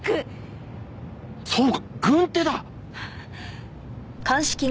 そうか軍手だ！